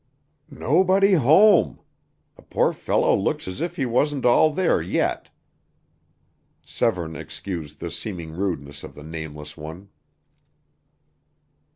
"'Nobody home!' The poor fellow looks as if he wasn't all there yet." Severne excused the seeming rudeness of the nameless one.